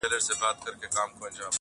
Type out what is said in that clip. له خولې دي د رقیب د حلوا بوئ راځي ناصحه،